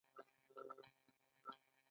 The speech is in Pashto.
معمول سپین پوستو تور پوستان بې اهمیت وګڼل.